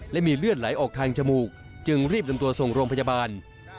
และมีเลือดไหลออกทางจมูกจึงรีบนำตัวส่งโรงพยาบาล